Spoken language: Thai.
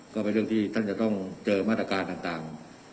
ก็เป็นเรื่องที่ท่านจะต้องเจอมาตรการต่าง